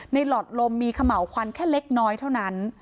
หลอดลมมีเขม่าวควันแค่เล็กน้อยเท่านั้น